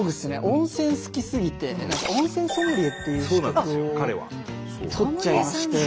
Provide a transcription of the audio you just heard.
温泉好きすぎて温泉ソムリエっていう資格を取っちゃいまして。